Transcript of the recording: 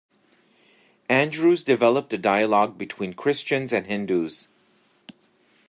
Andrews developed a dialogue between Christians and Hindus.